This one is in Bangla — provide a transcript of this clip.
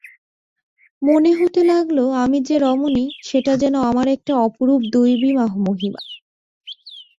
মনে হতে লাগল আমি যে রমণী সেটা যেন আমার একটা অপরূপ দৈবী মহিমা।